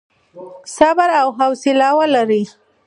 صبر او حوصله ولرئ.